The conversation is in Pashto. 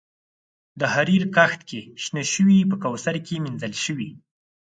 د حریر کښت کې شنه شوي په کوثر کې مینځل شوي